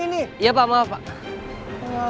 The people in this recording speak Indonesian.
iya pak maaf pak